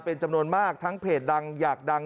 เป็นจำนวนมากทั้งเพจดังอยากดัง